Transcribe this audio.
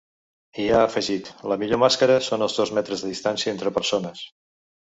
I ha afegit: ‘La millor màscara són els dos metres de distància’ entre persones.